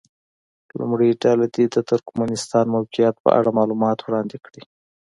لومړۍ ډله دې د ترکمنستان موقعیت په اړه معلومات وړاندې کړي.